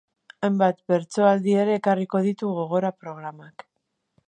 Hainbat bertsoaldi ere ekarriko ditu gogora programak.